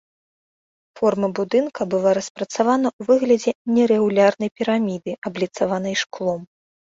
Форма будынка была распрацавана ў выглядзе нерэгулярнай піраміды, абліцаванай шклом.